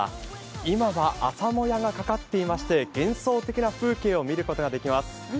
今は朝もやがかかっていまして、幻想的な風景を見ることができます。